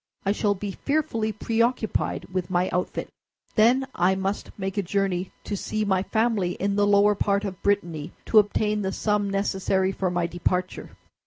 I shall be fearfully preoccupied with my outfit. Then I must make a journey to see my family, in the lower part of Brittany, to obtain the sum necessary for my departure."